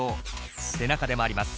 背中で回ります。